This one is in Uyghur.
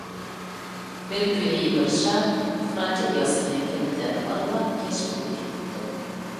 بىر كۈنى بىر شاھ پۇقراچە ياسىنىپ كەنتلەرنى ئارىلاپ، كەچ بولۇپ كېتىپتۇ.